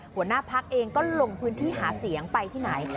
หัวหน้าพักเองก็ลงพื้นที่หาเสียงไปที่ไหน